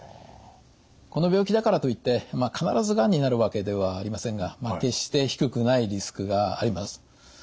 この病気だからといって必ずがんになるわけではありませんが決して低くないリスクがあります。